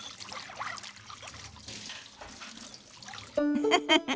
ウフフフ。